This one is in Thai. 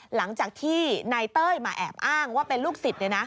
หลังจากที่นายเต้ยมาแอบอ้างว่าเป็นลูกศิษย์